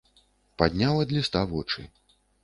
Падняў ад ліста вочы.